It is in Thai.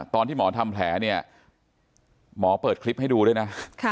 ตอนที่หมอทำแผลเนี่ยหมอเปิดคลิปให้ดูด้วยนะ